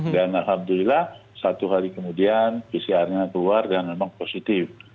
dan alhamdulillah satu hari kemudian pcr nya keluar dan memang positif